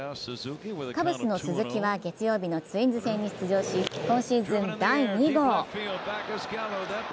カブスの鈴木は月曜日のツインズ戦に出場し、今シーズン第２号。